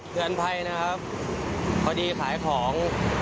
เตือนภัยนะครับพอดีขายของ